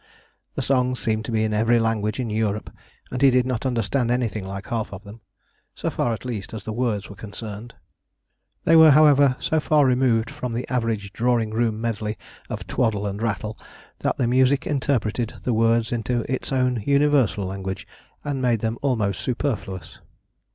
The songs seemed to be in every language in Europe, and he did not understand anything like half of them, so far, at least, as the words were concerned. They were, however, so far removed from the average drawing room medley of twaddle and rattle that the music interpreted the words into its own universal language, and made them almost superfluous.